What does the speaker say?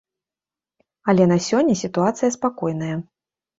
Але на сёння сітуацыя спакойная.